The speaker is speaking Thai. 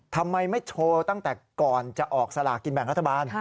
ทำไมไม่โชว์ตั้งแต่ก่อนจะออกสลากินแบ่งรัฐบาล